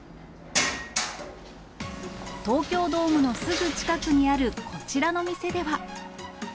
東京ドームのすぐ近くにあるこちらの店では。